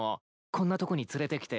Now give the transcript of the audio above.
こんなとこに連れてきて。